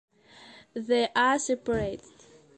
They are separated.